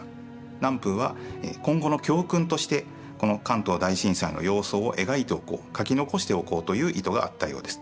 南風は今後の教訓としてこの関東大震災の様相を描いておこう描き残しておこうという意図があったようです。